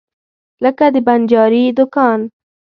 لکه د بنجاري دکان.